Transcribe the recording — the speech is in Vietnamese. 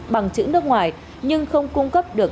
sáu trăm ba mươi chín bằng chữ nước ngoài nhưng không cung cấp được